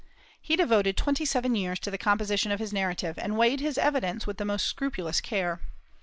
He devoted twenty seven years to the composition of his narrative, and weighed his evidence with the most scrupulous care.